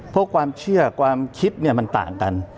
เพราะความเชื่อความคิดมันต่างกัน